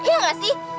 ya gak sih